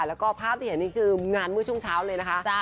แล้วก็ภาพที่เห็นนี่คืองานเมื่อช่วงเช้าเลยนะคะ